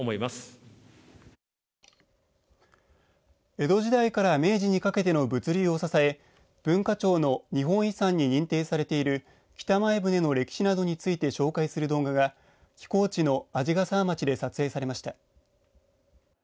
江戸時代から明治にかけての物流を支え文化庁の日本遺産に認定されている北前船の歴史などについて紹介する動画が寄港地の鰺ヶ沢町で撮影されました。